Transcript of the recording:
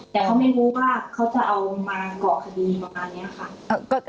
แต่เขาไม่รู้ว่าเขาจะเอามาก่อคดีประมาณนี้ค่ะ